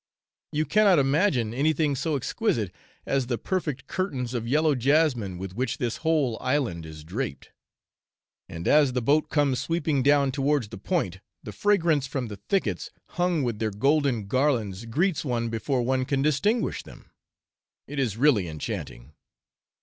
You cannot imagine anything so exquisite as the perfect curtains of yellow jasmine with which this whole island is draped; and as the boat comes sweeping down towards the point, the fragrance from the thickets hung with their golden garlands greets one before one can distinguish them; it is really enchanting.